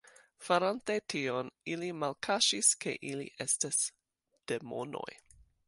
Farante tion, ili malkaŝis ke ili estas demonoj.